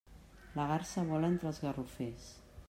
La garsa vola entre els garrofers.